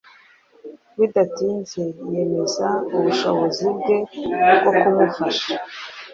bidatinze yemeza ubushobozi bwe bwo kumufasha